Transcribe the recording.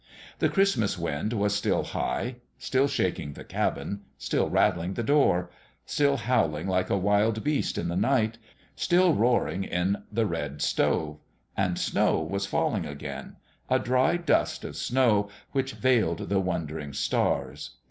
The Christmas wind was still high, still shaking the cabin, still rattling the door, still howling like a wild beast in the night, still roaring in the red stove ; and snow was falling again a dry dust of snow which veiled the wondering stars.